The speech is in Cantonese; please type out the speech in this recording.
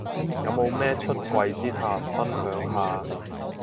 有冇咩出櫃之談分享下